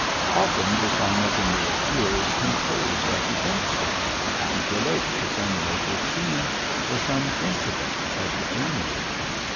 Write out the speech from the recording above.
Often the song of the muleteer is composed at the instant, and relates to some local scene, or some incident of the journey.